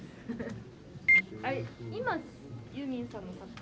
今ユーミンさんの作家。